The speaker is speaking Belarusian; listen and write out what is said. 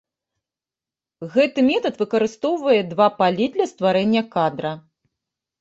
Гэты метад выкарыстоўвае два палі для стварэння кадра.